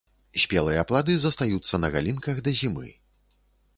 Спелыя плады застаюцца на галінках да зімы.